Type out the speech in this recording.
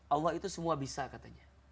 allah itu semua bisa katanya